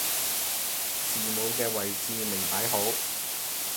字母嘅位置未擺好